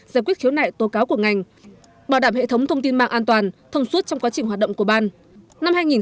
giải quyết khiếu nại tố cáo của ngành bảo đảm hệ thống thông tin mạng an toàn thông suốt trong quá trình hoạt động của ban